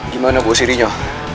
gimana bau sirihnya